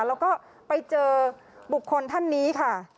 แล้วก็ไปเจอบุคคลท่านนี้ค่ะ